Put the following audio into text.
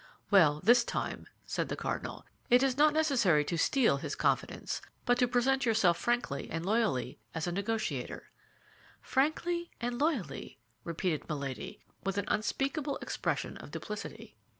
"Well, this time," said the cardinal, "it is not necessary to steal his confidence, but to present yourself frankly and loyally as a negotiator." "Frankly and loyally," repeated Milady, with an unspeakable expression of duplicity.